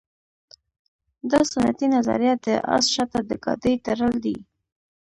دا سنتي نظریه د اس شاته د ګاډۍ تړل دي.